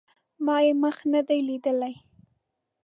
ما یې مخ نه دی لیدلی